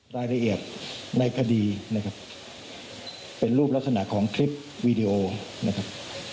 รายละเอียดในคดีนะครับเป็นรูปลักษณะของคลิปวีดีโอนะครับ